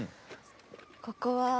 ここは。